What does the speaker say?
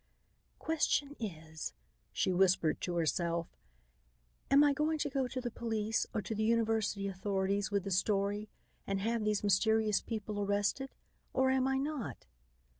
"Question is," she whispered to herself, "am I going to go to the police or to the university authorities with the story and have these mysterious people arrested, or am I not?"